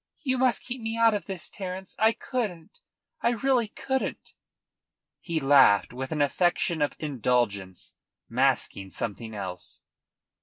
"You must keep me out of this, Terence. I couldn't I really couldn't." He laughed with an affectation of indulgence, masking something else.